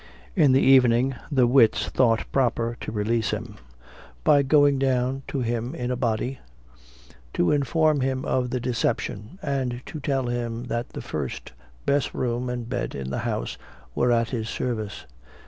In the evening, the wits thought proper to release him, by going down to him in a body, to inform him of the deception, and to tell him that the first best room and bed in the house were at his service.